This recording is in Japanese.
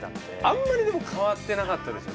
あんまりでも変わってなかったでしょ？